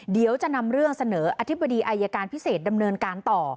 เดี๋ยวจะนำเรื่องเสนออธิบดีอายการพิเศษดำเนินการต่อ